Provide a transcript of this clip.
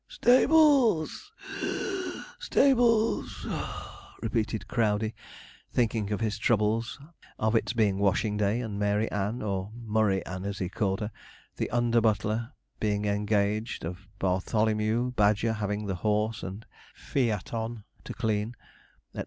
'Stables (wheeze), stables (puff),' repeated Crowdey thinking of his troubles of its being washing day, and Mary Ann, or Murry Ann, as he called her, the under butler, being engaged; of Bartholomew Badger having the horse and fe a ton to clean, &c.